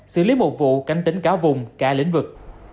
xử lý một vụ canh tính cả vùng cả lĩnh vực